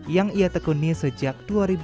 yang ia tekuni sejak dua ribu delapan belas